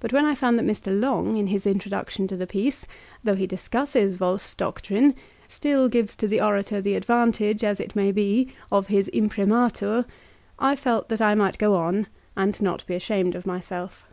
But when I found that Mr. Long in his intro duction to the piece, though he discusses Wolf's doctrine, still gives to the orator the advantage as it may be of his "imprimatur," I felt that I might go on, and not be ashamed of myself.